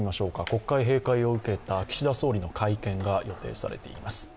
国会閉会を受けた岸田総理の会見が予定されています。